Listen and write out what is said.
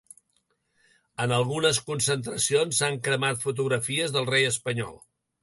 En algunes concentracions, s’han cremat fotografies del rei espanyol.